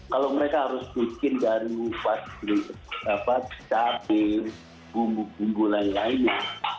kalau mereka harus bikin dari cabai bumbu bumbu lain lainnya